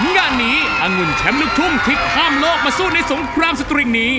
งานนี้อังุ่นแชมป์ลูกทุ่งที่ข้ามโลกมาสู้ในสงครามสตริงนี้